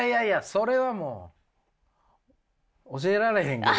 それはもう教えられへんけどな。